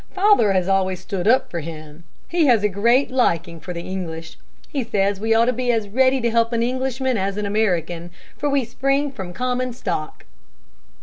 Father has always stood up for him. He has a great liking for the English. He says we ought to be as ready to help an Englishman as an American, for we spring from common stock."